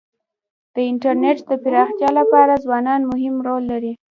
د انټرنېټ د پراختیا لپاره ځوانان مهم رول لري.